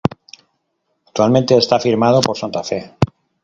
Actualmente está firmado por Santa Fe.